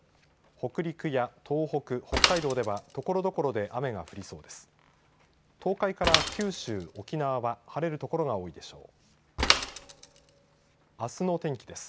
北陸や東北、北海道ではところどころで雨が降りそうです。